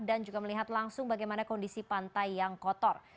dan juga melihat langsung bagaimana kondisi pantai yang kotor